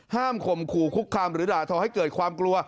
ข่มขู่คุกคามหรือด่าทอให้เกิดความกลัว